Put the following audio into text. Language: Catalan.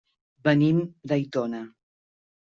Venim d'Aitona.